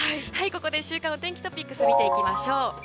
週間お天気トピックスを見ていきましょう。